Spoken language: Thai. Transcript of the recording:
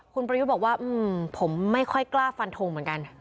คุณประยุทธ์บอกว่าผมไม่ค่อยกล้าฟันทงเหมือนกัน